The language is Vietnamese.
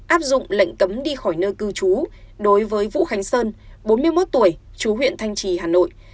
áp dụng lệnh cấm đi khỏi nơi cư trú đối với vũ khánh sơn bốn mươi một tuổi chú huyện thanh trì hà nội